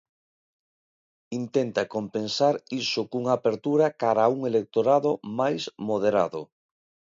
Intenta compensar iso cunha apertura cara a un electorado máis moderado.